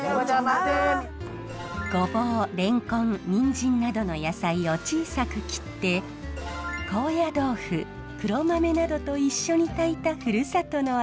ゴボウレンコンニンジンなどの野菜を小さく切って高野豆腐黒豆などと一緒に炊いたふるさとの味。